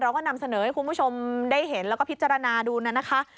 เราก็นำเสนอให้คุณผู้ชมได้เห็นแล้วก็พิจารณาดูนะคะ